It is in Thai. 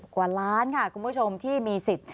กว่าล้านค่ะคุณผู้ชมที่มีสิทธิ์